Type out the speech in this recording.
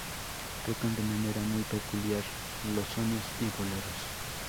Tocan de manera muy peculiar los sones y boleros.